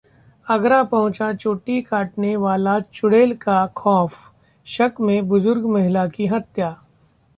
आगरा पहुंचा चोटी काटने वाली चुडैल का खौफ, शक में बुजुर्ग महिला की हत्या